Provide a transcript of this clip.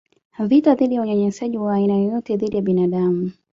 vita dhidi ya unyanyasaji wa aina yoyote dhidi ya binadamu